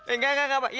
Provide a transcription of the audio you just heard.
enggak enggak enggak pak